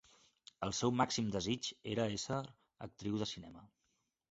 El seu màxim desig era ésser actriu de cinema.